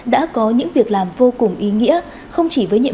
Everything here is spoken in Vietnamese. đã có những việc làm vô cùng ý nghĩa